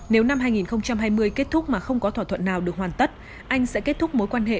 nếu năm hai nghìn hai mươi kết thúc mà không có thỏa thuận nào được hoàn tất anh sẽ kết thúc mối quan hệ